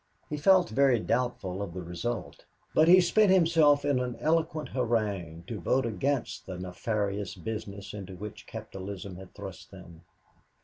He felt very doubtful of the result, but he spent himself in an eloquent harangue to vote against the nefarious business into which capitalism had thrust them.